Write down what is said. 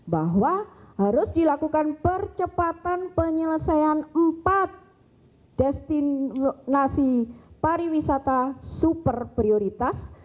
bahwa harus dilakukan percepatan penyelesaian empat destinasi pariwisata super prioritas